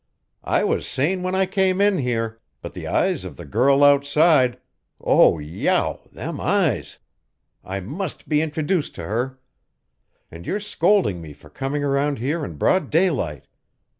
"I was sane when I came in here, but the eyes of the girl outside oh, yow, them eyes! I must be introduced to her. And you're scolding me for coming around here in broad daylight.